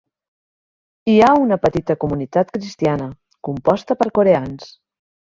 Hi ha una petita comunitat cristiana, composta per coreans.